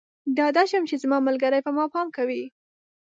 ډاډه شم چې زما ملګری پر ما پام کوي.